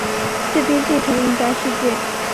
这边变成银白世界